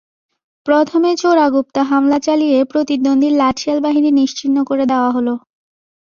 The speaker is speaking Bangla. প্রথমে চোরাগুপ্তা হামলা চালিয়ে প্রতিদ্বন্দ্বীর লাঠিয়াল বাহিনী নিশ্চিহ্ন করে দেওয়া হলো।